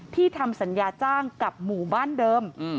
ทำสัญญาจ้างกับหมู่บ้านเดิม